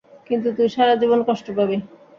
কিন্তু তুই সারাজীবন কষ্ট পাবি।